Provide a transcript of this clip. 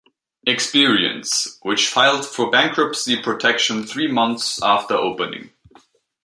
Experience, which filed for bankruptcy protection three months after opening.